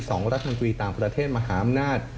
สองรัฐมนตรีต่างประเทศมหาอำนาจ